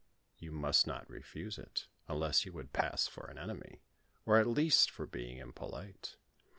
Yon must not refuse it, unless you would pass for an enemy, or at least for being impolite.